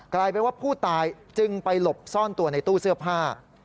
กลายเป็นว่าผู้ตายจึงไปหลบซ่อนตัวในตู้เสื้อผ้า